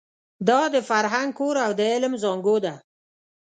دا د فرهنګ کور او د علم زانګو ده.